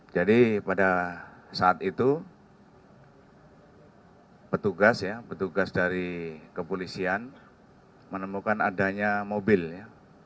pada saat itu petugas ya petugas dari kepolisian menemukan adanya mobil ya